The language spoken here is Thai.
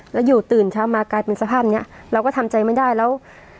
แล้วอยู่ตื่นเช้ามากลายเป็นสภาพเนี้ยเราก็ทำใจไม่ได้แล้ว